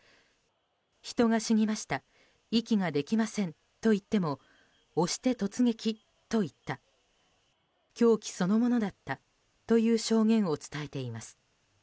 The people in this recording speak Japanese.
人が死にました息ができませんと言っても押して突撃と言った狂気そのものだったという証言を伝えています。